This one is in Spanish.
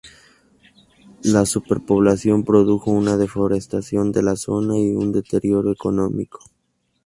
La superpoblación produjo una deforestación de la zona y un deterioro económico.